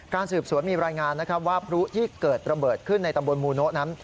สืบสวนมีรายงานนะครับว่าพลุที่เกิดระเบิดขึ้นในตำบลมูโนะนั้น